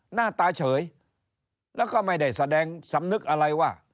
หน้าตาเฉยแล้วก็ไม่ได้แสดงสำนึกอะไรว่า